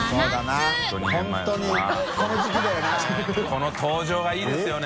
この登場がいいですよね。